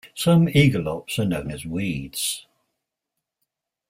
Some "Aegilops" are known as weeds.